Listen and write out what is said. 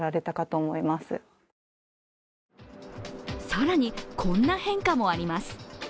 更にこんな変化もあります。